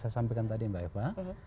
saya sampaikan tadi mbak eva